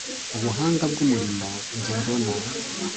ubuhanga bw'umurimo nge mbona